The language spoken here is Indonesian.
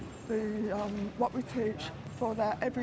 apa yang kami ajar untuk hidup mereka setiap hari